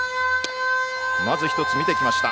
まず１つ、見てきました。